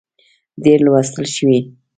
ډېر لوستل شوي